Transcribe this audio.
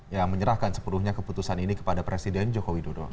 yang menyerahkan sepenuhnya keputusan ini kepada presiden joko widodo